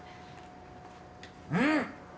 うん！